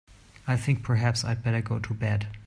I think perhaps I'd better go to bed.